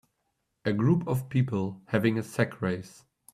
A group of people having a sack race.